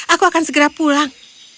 aku akan segera pulang